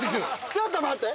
ちょっと待って。